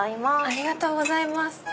ありがとうございます。